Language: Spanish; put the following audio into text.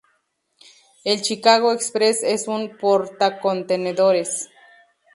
El Chicago Express es un portacontenedores.